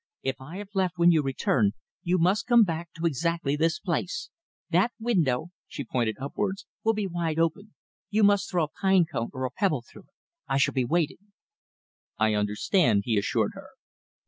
If I have left when you return, you must come back to exactly this place. That window" she pointed upwards "will be wide open. You must throw a pine cone or a pebble through it. I shall be waiting." "I understand," he assured her.